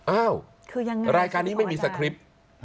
อ้าวรายการนี้ไม่มีสคริปต์